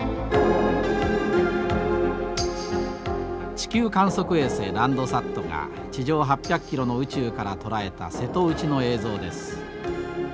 地球観測衛星ランドサットが地上８００キロの宇宙から捉えた瀬戸内の映像です。